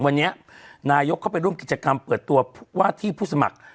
วันนี้นายกเข้าไปร่วมกิจกรรมเปิดตัวว่าที่ผู้สมัคร